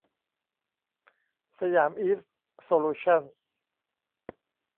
สยามอีสต์ โซลูชั่น